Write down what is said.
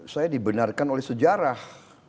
saya dibenarkan oleh sejarah